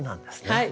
はい。